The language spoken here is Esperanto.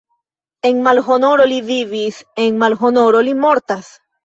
En malhonoro li vivis, en malhonoro li mortas!